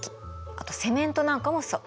あとセメントなんかもそう。